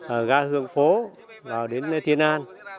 ở gà hương phố vào đến tiên an